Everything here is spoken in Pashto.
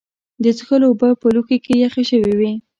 د څښلو اوبه په لوښي کې یخې شوې وې.